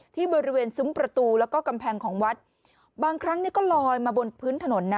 ที่บริเวณซุ้มประตูแล้วก็กำแพงของวัดบางครั้งเนี่ยก็ลอยมาบนพื้นถนนนะ